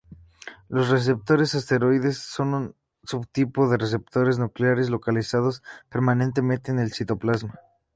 Los receptores esteroideos son un subtipo de receptores nucleares localizados permanentemente en el citoplasma.